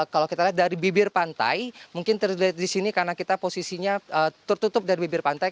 kalau kita lihat dari bibir pantai mungkin terlihat di sini karena kita posisinya tertutup dari bibir pantai